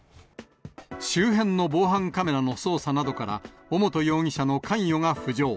周辺の防犯カメラの捜査などから、尾本容疑者の関与が浮上。